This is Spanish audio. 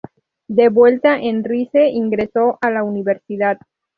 De vuelta en Rize ingresó a la universidad.